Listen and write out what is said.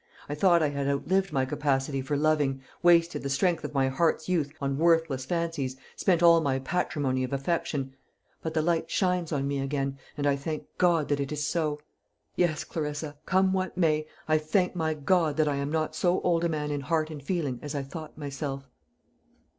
I thought I had outlived my capacity for loving, wasted the strength of my heart's youth on worthless fancies, spent all my patrimony of affection; but the light shines on me again, and I thank God that it is so. Yes, Clarissa, come what may, I thank my God that I am not so old a man in heart and feeling as I thought myself."